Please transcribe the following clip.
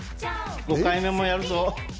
５回目もやるぞ！